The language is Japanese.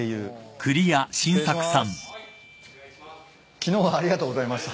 昨日はありがとうございました。